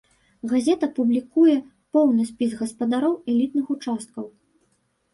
Газета публікуе поўны спіс гаспадароў элітных участкаў.